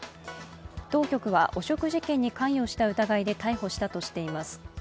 当局は汚職事件に関与した疑いで逮捕したとしています。